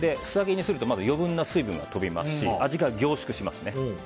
素揚げにすると余分な水分が飛びますし味が凝縮しますね。